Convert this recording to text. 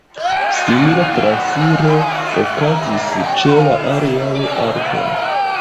Simila transiro okazis ĉe la aliaj artoj.